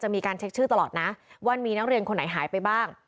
มีการเช็คชื่อตลอดนะว่ามีนักเรียนคนไหนหายไปบ้าง